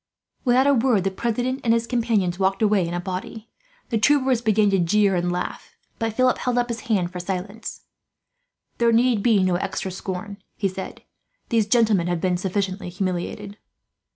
Without a word, the president and his companions walked away in a body. The troopers began to jeer and laugh, but Philip held up his hand for silence. "There need be no extra scorn," he said. "These gentlemen have been sufficiently humiliated."